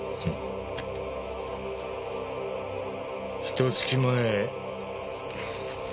ひと月前。